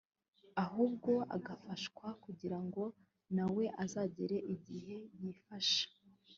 ahubwo agafashwa kugira ngo nawe azagere igihe yifasha